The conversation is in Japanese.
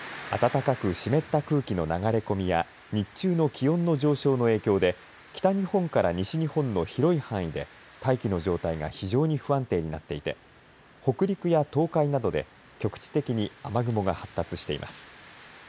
暖かく湿った空気の流れ込みや日中の気温の上昇の影響で北日本から西日本の広い範囲で大気の状態が非常に不安定になっていて北陸や東海などで局地的に雨雲が発達しています。